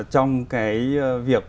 trong cái việc